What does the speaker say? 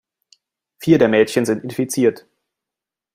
Vier der Mädchen sind infiziert.